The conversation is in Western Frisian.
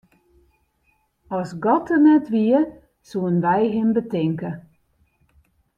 As God der net wie, soenen wy him betinke.